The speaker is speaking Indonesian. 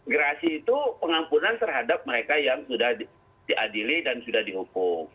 gerasi itu pengampunan terhadap mereka yang sudah diadili dan sudah dihukum